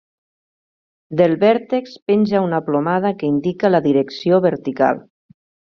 Del vèrtex penja una plomada que indica la direcció vertical.